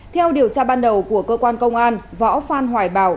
theo điều tra ban đầu của cơ quan công an võ phan hoài bảo